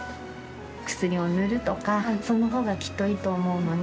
薬を塗るとかそのほうがきっといいと思うのね。